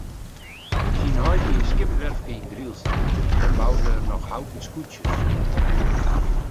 Syn heit hie in skipswerfke yn Drylts en dêr boude er noch houten skûtsjes.